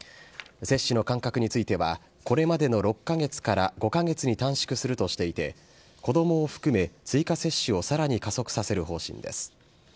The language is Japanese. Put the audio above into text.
接種の間隔については、これまでの６か月から５か月に短縮するとしていて、子どもを含め、追加接種をさらに加速させる方針です。